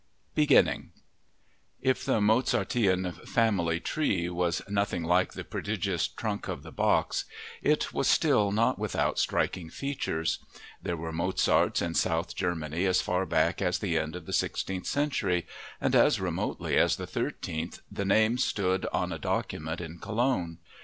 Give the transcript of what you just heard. Printed in the United States of America Wolfgang Amadeus Mozart If the Mozartean family tree was nothing like the prodigious trunk of the Bachs it was still not without striking features. There were Mozarts in South Germany as far back as the end of the sixteenth century; and as remotely as the thirteenth the name stood on a document in Cologne.